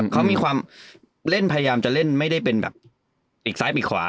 พยายามจะเล่นไม่ได้เป็นแบบอีกซ้ายอีกขวา